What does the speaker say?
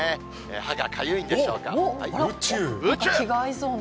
歯がかゆいんでしょうか。